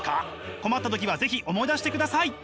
困った時は是非思い出してください！